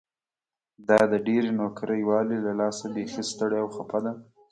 دا د ډېرې نوکري والۍ له لاسه بيخي ستړې او خپه ده.